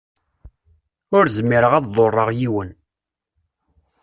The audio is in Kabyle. Ur zmireɣ ad ḍurreɣ yiwen.